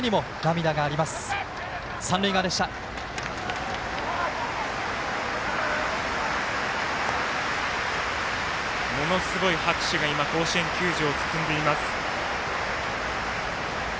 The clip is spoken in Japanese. ものすごい拍手が甲子園球場を包んでいます。